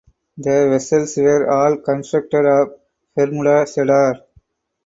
The vessels were all constructed of Bermuda cedar.